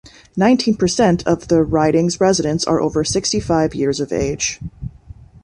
Nineteen per cent of the riding's residents are over sixty-five years of age.